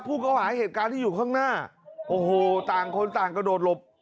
เข้าหาเหตุการณ์ที่อยู่ข้างหน้าโอ้โหต่างคนต่างกระโดดหลบ